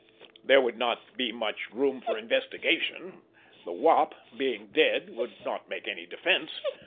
There would not be much room for investigation! The Wop, being dead, would not make any defense.